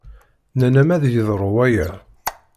Nnan-am ad yeḍru waya.